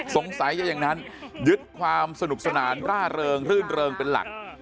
สงสัยจะอย่างนั้นยึดความสนุกสนานร่าเริงรื่นเริงเป็นหลัก